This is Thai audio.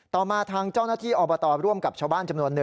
ต่อมาทางเจ้าหน้าที่อบตร่วมกับชาวบ้านจำนวน๑